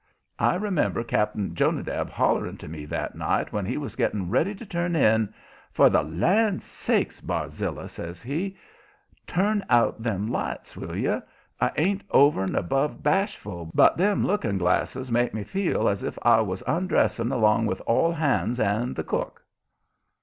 I remember Cap'n Jonadab hollering to me that night when he was getting ready to turn in: "For the land's sake, Barzilla!" says he, "turn out them lights, will you? I ain't over'n' above bashful, but them looking glasses make me feel's if I was undressing along with all hands and the cook."